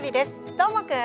どーもくん！